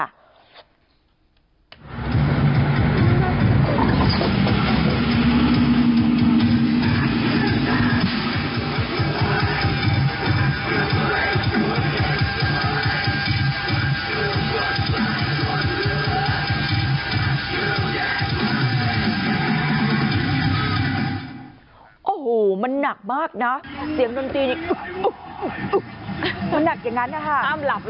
ภาพมันแบบจะมืดปั๊กหน่อยไม่ค่อยชัดแต่ว่าคุณค่าความมันชัดเวอร์